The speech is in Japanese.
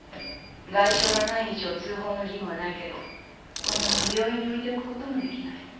外傷がない以上通報の義務はないけどこのまま病院に置いておくこともできない。